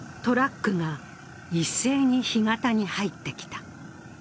トラックが一斉に干潟に入ってきた。